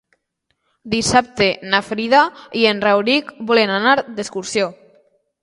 Dissabte na Frida i en Rauric volen anar d'excursió.